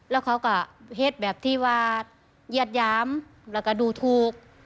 แล้วเขาก็เฮ็ดแบบที่ว่าเยียดหยามแล้วก็ดูถูก